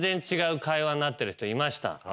人いました。